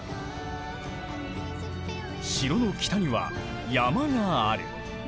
城の北には山がある。